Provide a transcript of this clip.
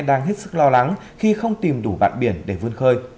đang hết sức lo lắng khi không tìm đủ bạn biển để vươn khơi